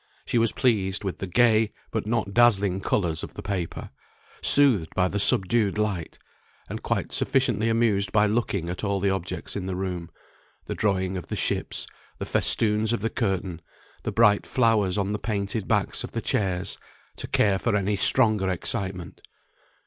She was pleased with the gay but not dazzling colours of the paper; soothed by the subdued light; and quite sufficiently amused by looking at all the objects in the room, the drawing of the ships, the festoons of the curtain, the bright flowers on the painted backs of the chairs, to care for any stronger excitement.